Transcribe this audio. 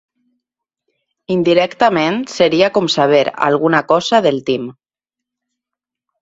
Indirectament seria com saber alguna cosa del Tim.